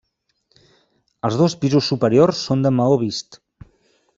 Els dos pisos superiors són de maó vist.